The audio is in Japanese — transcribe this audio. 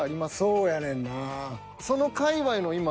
そうやねんな。